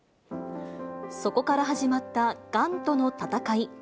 そこから始まったがんとの闘い。